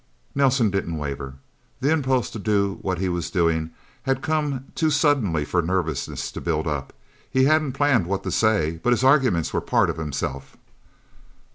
Nelsen didn't waver. The impulse to do what he was doing had come too suddenly for nervousness to build up. He hadn't planned what to say, but his arguments were part of himself.